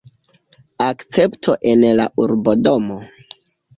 Akcepto en la urbodomo.